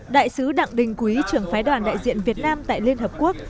đại sứ đặng đình quý trưởng phái đoàn đại diện việt nam tại liên hợp quốc